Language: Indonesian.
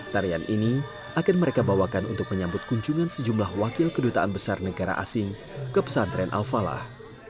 tarian ini akan mereka bawakan untuk menyambut kunjungan sejumlah wakil kedutaan besar negara asing ke pesantren al falah